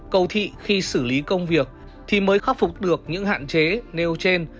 cầu thị khi xử lý công việc thì mới khắc phục được những hạn chế nêu trên